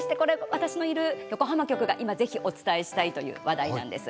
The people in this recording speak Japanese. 私のいる横浜局が、ぜひお伝えしたいという話題なんです。